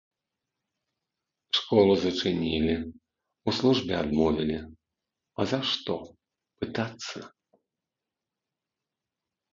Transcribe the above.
Школу зачынілі, у службе адмовілі, а за што, пытацца?!